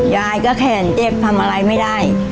ยายก็แขนเจ็บทำอะไรไม่ได้